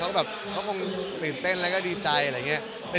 เขาแบบเขาคงตื่นเต้นแล้วก็ดีใจอะไรอย่างนี้